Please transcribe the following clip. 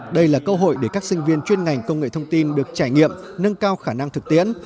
đây là cơ hội để các sinh viên chuyên ngành công nghệ thông tin được trải nghiệm nâng cao khả năng thực tiễn